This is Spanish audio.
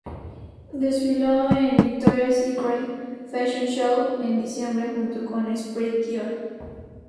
Desfiló en el Victoria's Secret Fashion Show en diciembre junto con Esprit Dior.